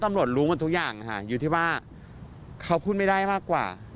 รู้กันทุกอย่างค่ะอยู่ที่ว่าเขาพูดไม่ได้มากกว่า